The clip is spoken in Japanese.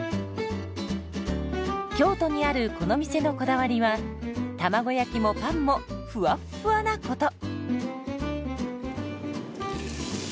京都にあるこの店のこだわりは卵焼きもパンもふわっふわなこと。